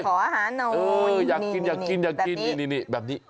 ขออาหารหนูนี่อยากกินแบบนี้